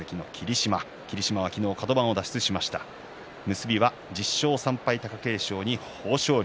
結びは１０勝３敗貴景勝に豊昇龍。